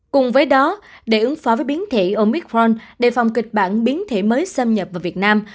cùng với đó để ứng phó với biến thể omicron đề phòng kịch bản biến thể mới xâm nhập vào việt nam